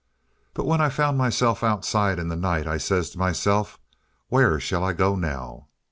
"But when I found myself outside in the night, I says to myself: 'Where shall I go now?'